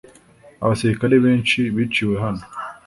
Abasirikare benshi biciwe hano .